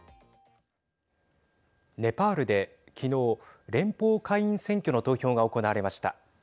ネパールで昨日連邦下院選挙の投票が行われました。